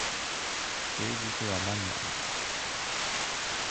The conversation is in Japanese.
政治とは何なのか